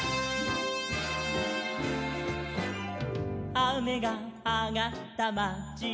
「あめがあがったまちに」